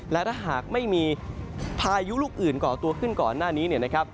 และถ้าหากไม่มีพายุลูกอื่นก่อตัวขึ้นก่อนหน้านี้เนี่ยนะครับ